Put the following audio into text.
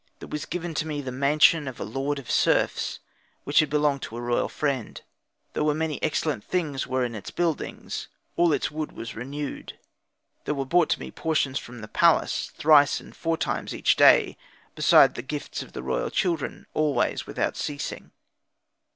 There was given to me the mansion of a lord of serfs, which had belonged to a royal friend. There many excellent things were in its buildings; all its wood was renewed. There were brought to me portions from the palace, thrice and four times each day; besides the gifts of the royal children, always, without ceasing.